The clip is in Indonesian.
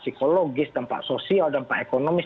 psikologis dampak sosial dampak ekonomis